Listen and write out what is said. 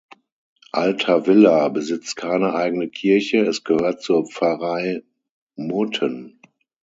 Altavilla besitzt keine eigene Kirche, es gehört zur Pfarrei Murten.